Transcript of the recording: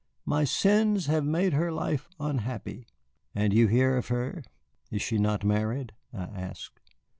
My sins have made her life unhappy." "And you hear of her? She is not married?" I asked.